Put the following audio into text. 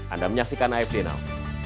anda menyaksikan afd now